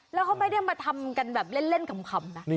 เราเขามานี่มาทำกันแบบเล่นคำน่ะ